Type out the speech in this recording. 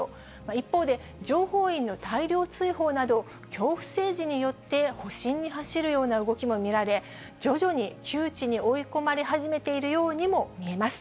一方で、情報員の大量追放など恐怖政治によって保身に走るような動きも見られ、徐々に窮地に追い込まれ始めているようにも見えます。